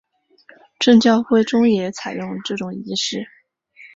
正教会中也采用这种仪式。